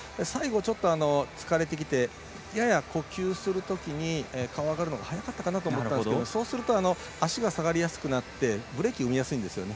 最後、疲れてきてやや呼吸するときに顔を上げるのが早かったかなと思いますがそうすると足が下がりやすくなってブレーキを生みやすいんですよね。